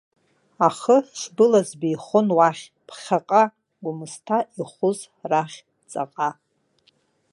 Ахы шбылаз беихон уахь, ԥхьаҟа, Гәымсҭа, ихәыз рахь, ҵаҟа.